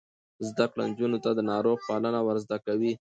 زده کړه نجونو ته د ناروغ پالنه ور زده کوي.